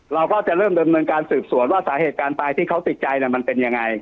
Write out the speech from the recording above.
เราก็จะเริ่มดำเนินการสืบสวนว่าสาเหตุการณ์ตายที่เขาติดใจมันเป็นยังไง